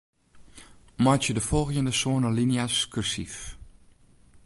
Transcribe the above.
Meitsje de folgjende sân alinea's kursyf.